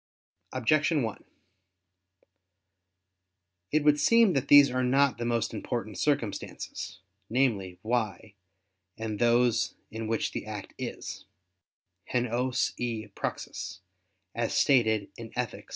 Objection 1: It would seem that these are not the most important circumstances, namely, "why" and those "in which the act is, [*_hen ois e praxis_]" as stated in _Ethic.